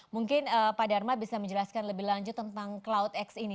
mungkin pak dharma bisa menjelaskan lebih lanjut tentang cloudx ini